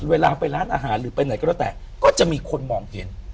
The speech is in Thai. เวลาไปร้านอาหารหรือไปไหนก็แล้วแต่ก็จะมีคนมองเห็น